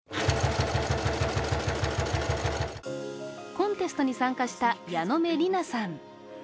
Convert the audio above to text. コンテストに参加した矢野目莉奈さん。